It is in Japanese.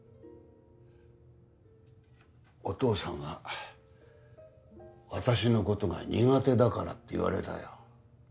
お父さんは私のことが苦手だからって言われたよ。